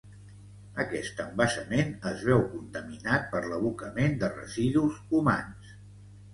Aquest embassament es veu contaminat per l'abocament de residus humans.